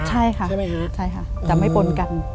ใช่ค่ะจะไม่ปนกัน